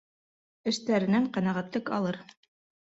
Эштәренән ҡәнәғәтлек алыр.